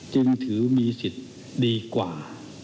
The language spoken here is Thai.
จึงถือมีสิทธิ์ดีกว่า